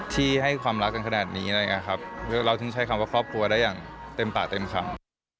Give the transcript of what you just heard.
ที่ให้ความรักกันขนาดนี้อะไรอย่างนี้ครับเราถึงใช้คำว่าครอบครัวได้อย่างเต็มปากเต็มคำ